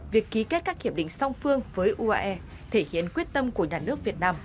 việc ký kết các hiệp định song phương với uae thể hiện quyết tâm của nhà nước việt nam